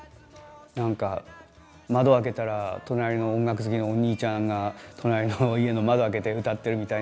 なんか窓を開けたら隣の音楽好きのおにいちゃんが隣の家の窓を開けて歌ってるみたいな。